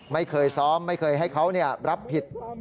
ไม่เคยซ้อมไม่เคยให้เขารับผิด